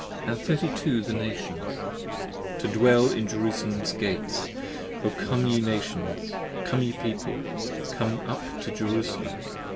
And Thirty two the Nations, to dwell in Jerusalem's Gates. O Come ye Nations, Come ye People, Come up to Jerusalem.